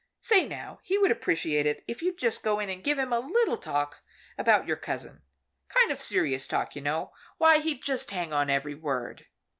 Say now, he would appreciate it, if you'd just go in and give him a little talk about your cousin. Kind of serious talk, you know. Why, he'd just hang on every word."